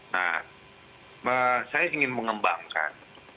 nah saya ingin mengembangkan